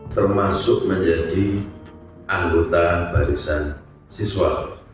termasuk menjadi anggota barisan siswa